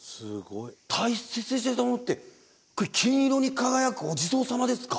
大切にしていたものって金色に輝くお地蔵様ですか？